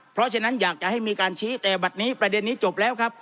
เพราะฉะนั้นอยากจะให้มีการชี้แต่บัตรนี้ประเด็นนี้จบแล้วครับ